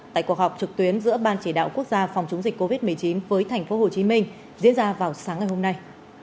tại cuộc họp trực tuyến giữa ban chỉ đạo quốc gia phòng chống dịch covid một mươi chín với tp hcm diễn ra vào sáng ngày hôm nay